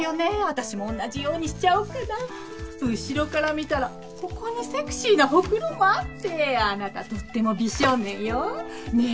私も同じようにしちゃおうかな後ろから見たらここにセクシーなほくろもあってあなたとっても美少年よねえ